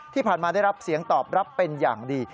ที่ผ่านมาได้รับเสียงตอบรับเป็นอย่างดี